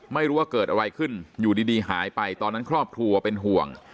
ไม่รู้ว่าเกิดอะไรขึ้นอยู่ดีหายไปตอนนั้นครอบครัวเป็นห่วง